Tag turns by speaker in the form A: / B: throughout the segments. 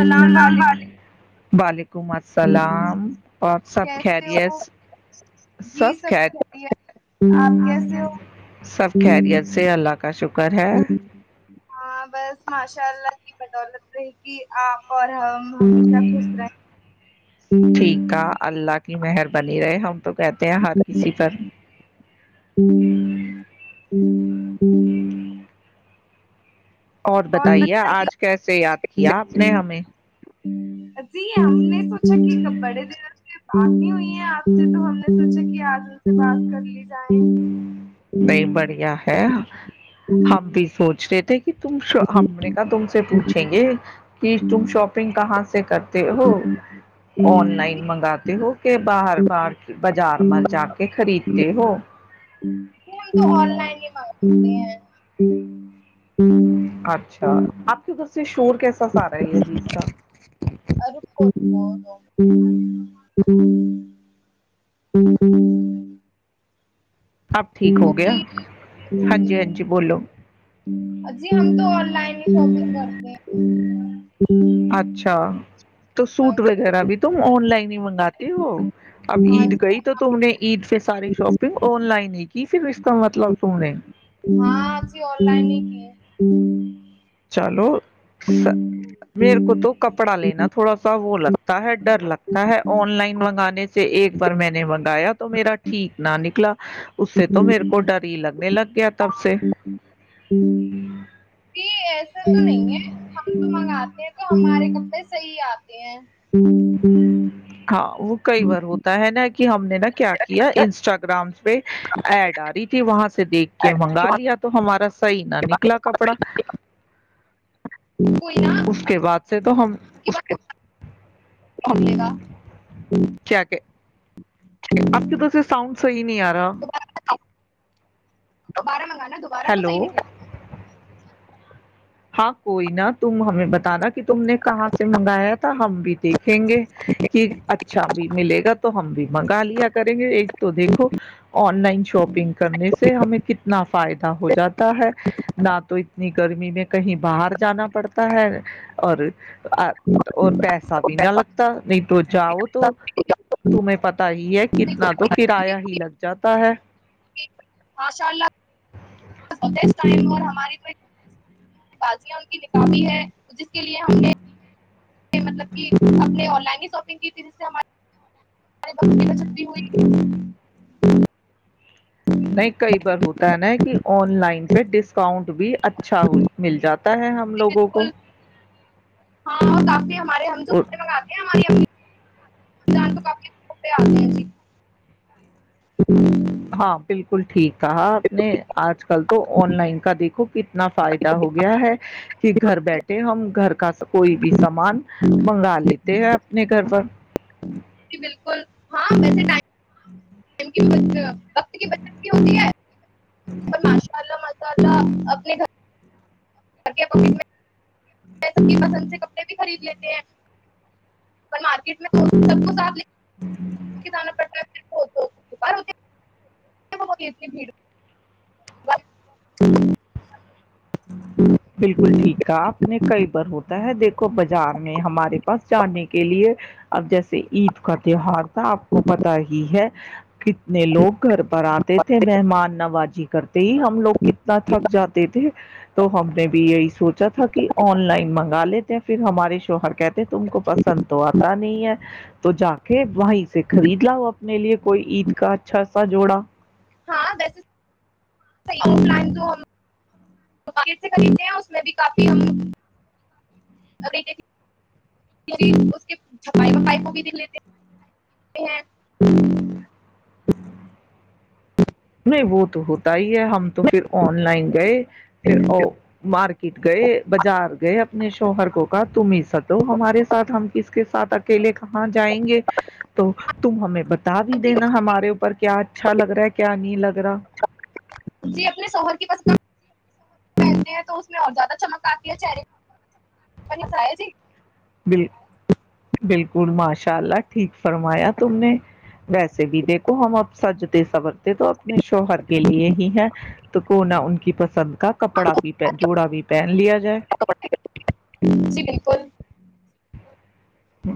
A: اللام علیکم
B: بالک حکم السلام اور سب
A: کیسے
B: خیریت
A: ہو جی
B: سب خیر
A: خیریت آپ کیسے ہو
B: سب خیریت سے اللہ کا شکر ہے
A: ہاں بس ماشاء اللہ کی بدولت رہے کہ آپ اور ہم ہمیشہ خوش رہے
B: ٹھیک ہے اللہ کی مہر بنی رہے ہم تو کہتے ہیں ہر کسی پر
A: ہ ہ ہ
B: اور بتائیے آج کیسے یاد کیا آپ نے ہمیں
A: [inaudible] جی ہم نے سوچا کہ بڑے د ر بی ہوئی ہیں آپ سے تو ہم نے سوچا کہ آج ان سے بات کر لیی
B: نہیں بڑھیا ہے ہم بھی سوچ رہے تھ تم ہم نے کہ تم سے پوچھیں گے کہ تم شاپنگ کہاں سے کرتے ہو آن لائن منگاتے ہو کہ باہر باہر بازار مر جا کے خریدتے ہو
A: نہیں ہم تو آن لائن ہی مانگتے ہیں ہوں
B: اچھا آپ کی ادھر سے شور کیسا سا رہا ہی ہے جی اس کا
A: ہ ہ ہ ہ ہ
B: اب ٹھیک ہو گیا ہاں جی ہاں
A: بولیے
B: جی بولو
A: جی ہم تو آن لائن ہی شاپنگ کرتے ہیں
B: اچھا تو
A: آج
B: سوٹ
A: کل-
B: وغیرہ بھی تم آن لائن ہی منگاتے ہو اب عید گئی تو تم نے عید پہ ساری شاپنگ آن لائن ہی کی پھر اس کا مطلب تم نے
A: ہاں ہ
B: چانو میرے کو تو کپڑا لینا تھوڑا سا وہ لگتا ہے ڈر لگتا ہے آن لائن منگانے سے سے ایک بار میں نے منگایا تو میرا ٹھیک نہ نکلا اس سے تو میرے کو ڈر ہی لگنے لگ گیا تب سے
A: جی ایسا تو نہیں ہے آتے ہیں تو ہمارے کپڑے صحیح آتے ہیں
B: ہاں وہ کئی بار ہوتا ہے نا کہ ہم نے نا کیا کیا انسٹاگرام پہ ایڈ آ رہی تھی وہاں سے سے دیکھ کے منگا لیا تو ہمارا صحیح نہ نکلا کپڑا
A: کوئی نا
B: اس
A: اب
B: کے بعد سے تو ہم
A: کمے گا ہ
B: کیا کہ آپ کے تو اس سے ساؤنڈ صحیح نہیں آ رہا
A: تو بارہ منگال دوبارہ تو صحی
B: ہیلو
A: نکل گ
B: ہاں کوئی نا تم ہمیں ب بتا نا کہ تم نے کہاں سے منگایا تھا ہم بھی دیکھیں گے کہ اچھا بھی ملے گا تو ہم بھی منگا لیا کریں گے ایک تو دیکھو آن لائن شاپنگ کرنے سے ہمیں کتنا فائدہ ہو جاتا ہے نہ تو اتنی گرمی میں کہیں باہر جانا پڑتا ہے اور اور پیسہ بھی نہ لگتا نہیں تو جاؤ تو تمہیں پتا ہی ہے
A: دیکھو،
B: کتنا تو کرایہ ہی لگ جاتا ہے
A: آشاء اللہ م ہماری تو بازیاں ان کی نکالی ہے جس کے لیے ہم نے مطلب کہ ہم نے آن لائن شاپنگ کی فر سے ہمارے ہو ہاں
B: نہیں کئی بار ہوتا ہے نا کہ آن لائن پہ ڈسکاؤنٹ بھی اچھا مل جاتا ہے ہم لوگوں کو
A: بالکل ہاں کافی ہمارے ہم جو
B: اور
A: کپڑے منگاتے ہیں ہماری امی [unintelligible] [unintelligible] [unintelligible]
B: ہاں بالکل ٹھیک کہا آپ نے آج کل تو آن لائن کا دیکھو کتنا فائدہ ہو گیا ہے کہ گھر بیٹھے ہم گھر [unintelligible] کوئی بھی سامان منگا لیتے ہیں اپنے گھر پر
A: بالکل ہاں ویسے م
B: ہاں
A: مند وقت کی ب کی ہوتی ہے ماشاء اللہ اپنے گھر پند سے کپڑے بھی خرید لیتے ہیں مارکیٹ میں سب کو ساتھ ل ان پٹ [unintelligible] نی [unintelligible]
B: بالکل ٹھیک ہے آپ نے کئی بار ہوتا ہے دیکھو بازار میں ہمارے پاس جانے کے لیے اب جیسے عید کا تیوار آپ کو پتا ہی ہے ج [unintelligible] کتنے لوگ گھر پر آتے تھے مہمان نوازی کرتے ہی ہم لوگ کتنا تھک جاتے تھے تو ہم نے بھی یہی سوچا تھا کہ آن لائن مانگ گا لیتے ہیں پھر ہمارے شوہر کہتے ہیں تم کو پسند تو آتا نہیں ہے تو جا کے وہیں سے خرید لاؤ اپنے لیے کوئی عید کا اچھا سا جوڑا
A: ہاں ویسے [unintelligible] سے خریدتے ہیں اس میں بھی کافی ہم کو بھی دکھ لیتے ہیں
B: ہ [unintelligible] نہیں وہ تو ہوتا ہی ہم تو پھر آن لائن گئے پھر مارکیٹ گئے بازار گئے اپنے شوہر کو کہا تم ہی ستو ہمارے ساتھ ہم کس کے ساتھ اکیلے کہاں جائیں گے تو تم ہمیں بتا بھی دینا ہمارے اوپر کیا اچھا لگ رہ ہے کیا نہیں لگ رہا
A: جی اپنے شوہر کی پستے ہیں تو اس میں اور زیادہ چمک آتی ہے چے جی
B: ب بالکل ماشاء اللہ ٹھیک فرمایا تم نے ویسے بھی دیکھو ہم اب سجتے سبر تو اپنے شوہر کے لیے ہی ہیں تو کونا ان کی پسند کا کپڑا بھی جوڑا بھی پہن لیا جائے
A: جی بالکل
B: ہ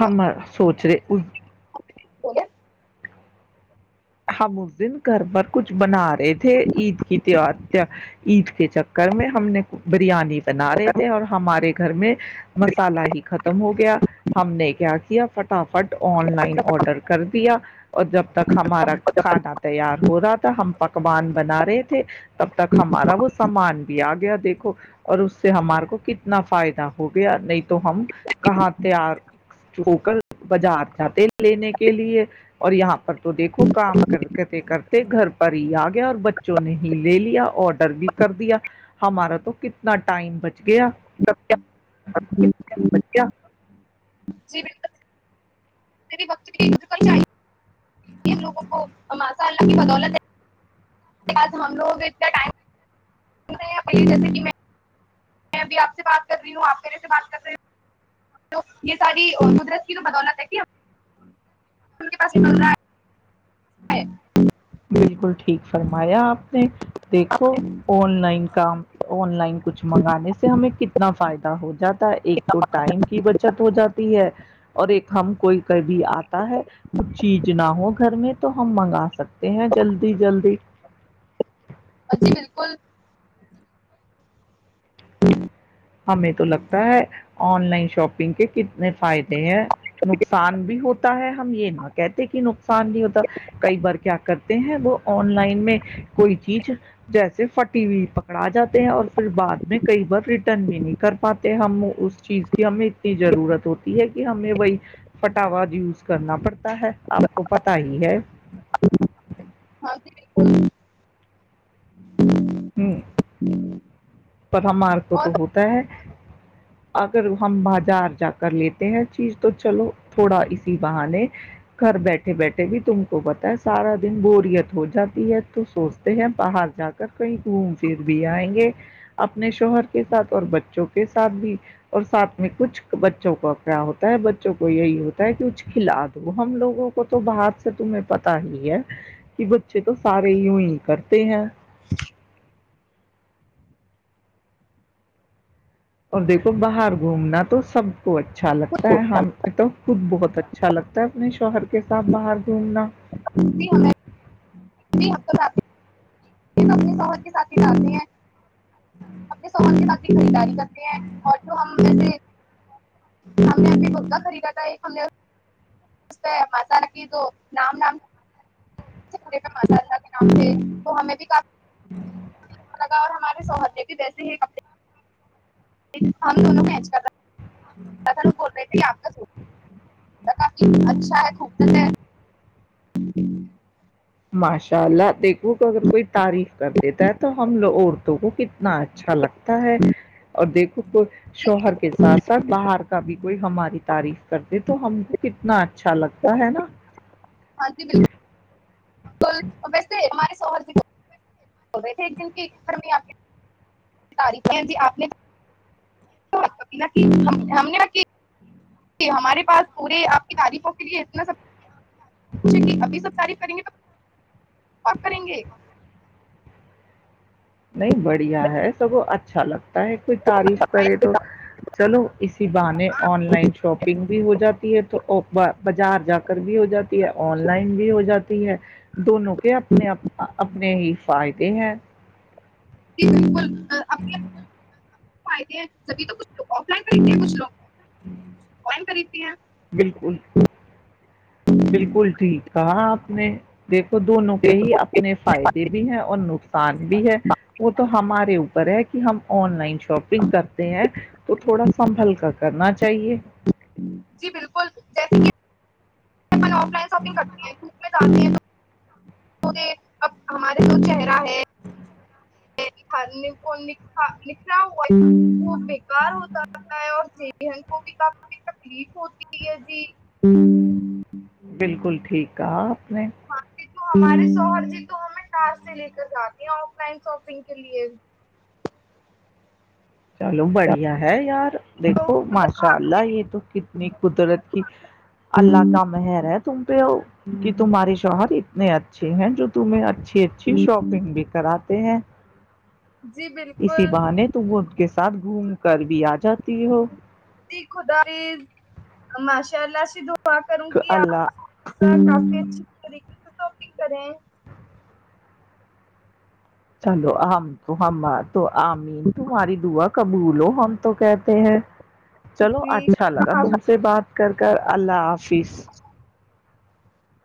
B: ہم سوچ رہے کو
A: بول
B: ہم اس دن گھر پر کچھ بنا رہے [unintelligible] عید کے چکر میں ہم نے بریانی بنا رہی تھے اور ہمارے گھر میں مسالا ہی ختم ہو گیا ہم نے کیا کیا کیا فٹافٹ آن لائن آڈر کر دیا اور جب تک کھانا تیار ہو رہا تھا ہم پکوان بنا رہے تھے تب تک ہمارا وہ سامان بھی آ گیا دیکھو اور اس سے ہمارے کو کتنا فائدہ ہو گیا نہیں تو ہم کہاں تار ہو کر بازار جاتے لینے کے لیے اور یہاں پر تو دیکھو کام کر کےتےے کر گھر پر ہی آ گیا اور بچوں نے ہی لے لیا آڈر بھی کر دیا ہمارا تو کتنا ٹائم بچ گیا
A: بچ جی بالکل ری وقت کے لوگوں کوم اللہ کی بدولت ہے آ ہم لوگ اتنا ٹائم جیسے میں میںب آپ سے بات کر رہی ہوں آپ میرے سے بات کر رہیوں تو یہ ساری قدرت کی تو بدولت ہے کہ کےس م
B: سرھ آپ نے دیکھو آن لائن کام آن لائن کچھ منگانے سے ہمیں کتنا فائدہ ہو جات ایک تو ٹائم کی بچت ہو جاتی ہے اور ایک ہم کوئی کبھی آتا ہے کچھ چیز نہ ہو گھر میں تو ہم منگا سکتے ہیں جلدی جلدی
A: ا جھی بالکل
B: ہمیں تو لگتا ہے آن لائن شاپنگ کے کتنے فائدے ہیں نقصان بھی ہوتا ہے ہم یہ نہ کہتے کہ نقصان بھی ہوتا کئی بار کیا کرتے ہیں وہ آن لائن میں کوئی چیز جیسے فٹی ہوئی پکڑا جاتے ہیں اور پھر بعد میں کئی بار بھی نہیں کر پاتے ہم اس چیز کی ہمیں اتنی ضرورت ہوتی ہے کہ ہمیں وہی پٹاوا یوز کرنا پڑتا پتا ہے آپ کو پتا ہی ہے
A: ہاں جی بک ہوں ہوں
B: پت مارک کو تو ہوتا ہے اگر ہم بازار جا کر لیتے ہیں چیز تو چلو تھوڑا اسی بہانے گھر بیٹھے بیٹھے بھی تم کو پتا ہے سارا دن بوریت ہو جاتی ہے تو سوچتے ہیں باہر جا کر کہیں گھوم پھر بھی آئیں گے اپنے شوہر کے ساتھ اور بچوں کے ساتھ بھی اور ساتھ میں کچھ بچوں کو کیا ہوتا ہے بچوں کو یہی ہوتا ہے کہ کچھ کھلا دوں ہم لوگوں کو تو باہر سے تمہیں پتا ہی ہے کہ بچے تو سارے ی ہی کرتے ہیں اور دیکھو باہر گھومنا تو سب کو اچھا لگتا ہے ہم تو خود بہت اچھا لگتا ہے اپنے شوہر کے ساتھ باہر گھومنا
A: [inaudible]
B: [unintelligible]
A: ی ہم تو اپنی سہت کے ساتھی سامنی ہیں س [unintelligible] ہیں اور ہم نہیں نہیں ہم نے مہ خریدا تھا ایک ہم نےہ مس تو نام نام پے مزا ل ام سے تو ہمیں بھی کافی لگا اور ہمارے سہتنے کے ویسے ہی کڑے ہم دونوں مچ کر ت بول رہ تھ آ اچھا ہے خب ہے
B: ماشاء اللہ دیکھو اگر کوئی تعریف کر دیتا ہے تو ہم لو عورتوں کو کتنا اچھا لگتا ہے اور دیکھو
A: ہے
B: شوہر کے ساتھ ساتھ باہر بھی کوئی ہماری تعریف کرتے تو ہم کو کتنا اچھا لگتا ہے نا
A: ہاں جی بالکل تو ویسے ہم [unintelligible] ہم نےق ہمارے پاس پورے آپ کی تعریفوں کے لیے اتنا سبو ابھی سب تعریف کریں گے تو کریں گے
B: نہیں بڑھیا ہے سب کو اچھا لگتا ہے کوئی تعریف کرے تو چلو اسی بانے آن لائن شاپنگ بھی ہو جاتی ہے تو بازار جا کر بھی ہو جاتی ہے آن لائن بھی ہو جاتی ہے دونوں کہ اپنے اپنے ہی فائدے ہیں
A: [unintelligible] [unintelligible] فائدے ہیں سبھی تو کچھگ آف لائن خریدتے ہیں کچھ لوگ کون خریدتی ہیں
B: بالکل بالکل ٹھیک کہاں آپ میں دیکھو دونوں کے ہی اپنے فائدے بھی ہیں اور نق بھی ہے وہ تو ہمارے اوپر ہے کہ ہم آن لائن شاپنگ کرتے ہیں تو تھوڑا سنبھل کر کرنا چاہیے
A: جی بالکل جیسے میں آف لائن شاپنگ کرتی ہے ٹوپ جاتی ہیں اب ہمارا جو چہرہ ہے
B: ہ
A: نے کو لکھا ہوا وہ بیکار ہو جاتا ہے اور ذہن کو بھی کافی تکلیف ہوتی ہے جی
B: بالکل ٹھیک ہے اپل
A: ہاں جی، تو ہمارے شوہر جی تو ہمیں کار سے لے کر جاتے ہیں آف لائن شاپنگ کے لیے
B: چلو بڑھیا ہے یار
A: تو
B: دیکھو
A: خدا
B: ماشاء اللہ
A: حافظ-
B: یہ تو کتنی قدرت کی اللہ کا مہر ہے تم پہب کہ تمہارے شہر اتنے اچھے ہیں جو تمہیں اچھے اچھی اچھی شاپنگ بھی کراتے ہیں
A: جی
B: اسی
A: بالکل
B: باہ نے تو وہ کے ساتھ گھوم کر بھی آج
A: خداش چ ال س د کروں
B: کہ
A: گی آپ
B: اللہ
A: کافی اچھی طریقے سے تو کریں
B: چلو ہمم تو ہمم بات تو امین تہاری دوا قبول ہو ہم تو کہتے ہیں چلو
A: جی
B: اچھا لگا
A: آپ
B: تم سے بات کر کر اللہ حافظ